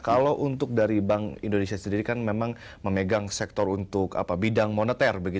kalau untuk dari bank indonesia sendiri kan memang memegang sektor untuk bidang moneter